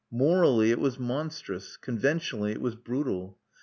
Morally, it was monstrous; conventionally, it was brutal.